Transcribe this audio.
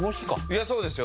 いやそうですよ。